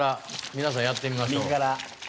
皆さんやってみましょう。